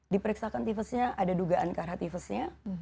diperiksakan tifesnya ada dugaan keharhat tifesnya